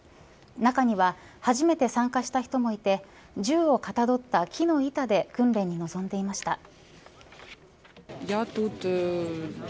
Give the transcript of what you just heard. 中には、初めて参加した人もいて銃をかたどった木の板で訓練に臨んでいました。